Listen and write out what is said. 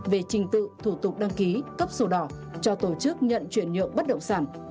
về trình tự thủ tục đăng ký cấp sổ đỏ cho tổ chức nhận chuyển nhượng bất động sản